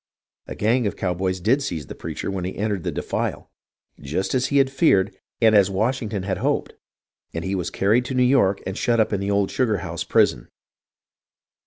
A gang of cowboys did seize the preacher when he entered the defile, just as he had feared and as Washington had hoped ; and he was carried to New York and shut up in the old sugar house prison.